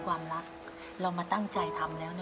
ว้าวว้าวว้าว